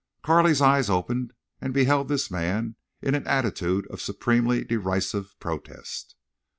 Carley's eyes opened and beheld this man in an attitude of supremely derisive protest.